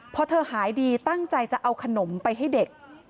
พอเธอหายดีตั้งใจจะเอาขนมไปให้เด็ก